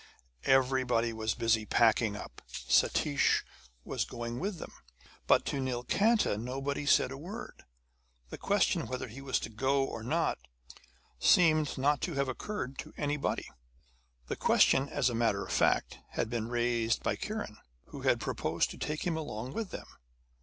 Everybody was busy packing up. Satish was going with them. But to Nilkanta nobody said a word. The question whether he was to go or not seemed not to have occurred to anybody. The question, as a matter of fact, had been raised by Kiran, who had proposed to take him along with them.